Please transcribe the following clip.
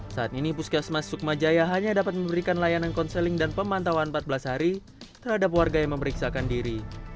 saat ini puskesmas sukma jaya hanya dapat memberikan layanan konseling dan pemantauan empat belas hari terhadap warga yang memeriksakan diri